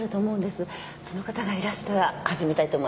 その方がいらしたら始めたいと思います。